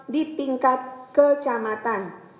di tingkat kecamatan